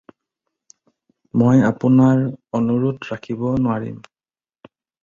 মই আপোনাৰ অনুৰোধ ৰাখিব নোৱাৰিম।